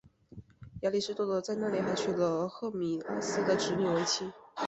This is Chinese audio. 亚里士多德在那里还娶了赫米阿斯的侄女为妻。